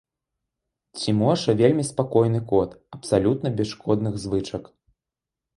Цімоша вельмі спакойны кот, абсалютна без шкодных звычак.